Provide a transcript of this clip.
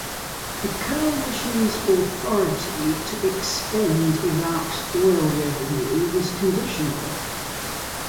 The Coalition's authority to expend Iraq's oil revenue was conditional.